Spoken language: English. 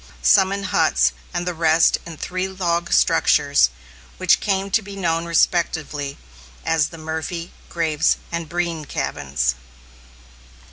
Some in huts, and the rest in three log structures, which came to be known respectively as the Murphy, Graves, and Breen cabins.